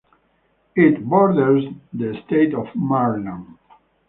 It borders the state of Maryland.